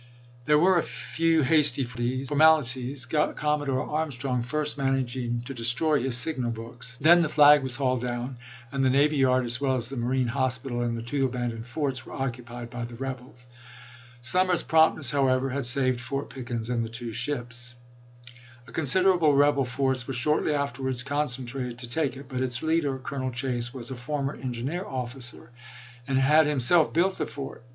There were a few hasty formalities, Commodore 164 ABRAHAM LINCOLN chap. xi. Armstrong first managing to destroy his signal House Re books. Then the flag was hauled down, and the port, No. 87, °' ^tlfcou11' navy yard, as well as the marine hospital and the ^emiiS0 two abandoned forts, were occupied by the rebels. FebXilei. Slemmer's promptness, however, had saved Fort l,*S 334 ' Pickens and the two ships. A considerable rebel force was shortly afterwards concentrated to take it ; but its leader, Colonel Chase, was a former engineer officer, and had himself built the fort.